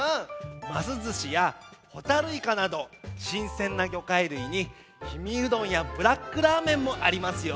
「ますずし」や「ホタルイカ」などしんせんなぎょかいるいに「氷見うどん」や「ブラックラーメン」もありますよ。